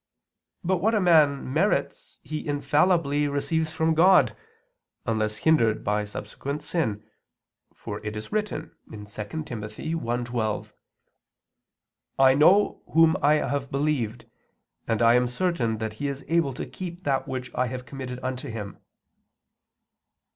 But what a man merits, he infallibly receives from God, unless hindered by subsequent sin; for it is written (2 Tim. 1:12): "I know Whom I have believed, and I am certain that He is able to keep that which I have committed unto Him."